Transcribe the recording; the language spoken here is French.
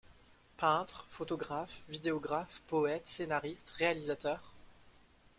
Peintre, photographe, vidéographe, poète, scénariste, réalisateur.